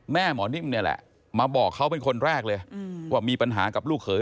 หมอนิ่มนี่แหละมาบอกเขาเป็นคนแรกเลยว่ามีปัญหากับลูกเขย